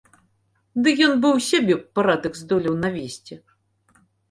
Ды ён бы ў сябе б парадак здолеў навесці!